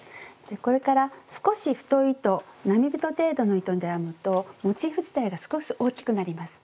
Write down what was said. これから少し太い糸並太程度の糸で編むとモチーフ自体が少し大きくなります。